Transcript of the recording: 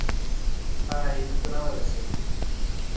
Aye dyna welis i.